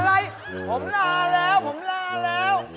อะไรว่าผมลาแล้วอ้าวพี่ผมพร้อม